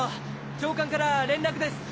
長官から連絡です！